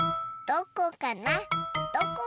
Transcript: どこかな？